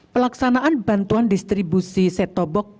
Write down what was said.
pelaksanaan bantuan distribusi setobok